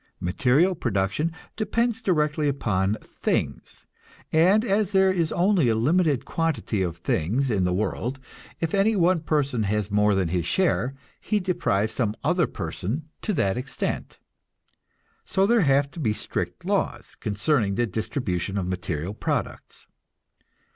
Material production depends directly upon things; and as there is only a limited quantity of things in the world, if any one person has more than his share, he deprives some other person to that extent. So there have to be strict laws concerning the distribution of material products.